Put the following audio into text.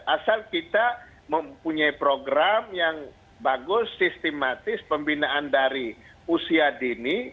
asal kita mempunyai program yang bagus sistematis pembinaan dari usia dini